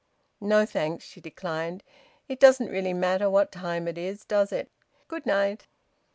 "No thanks," she declined. "It doesn't really matter what time it is, does it? Good night!"